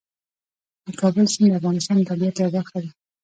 د کابل سیند د افغانستان د طبیعت یوه برخه ده.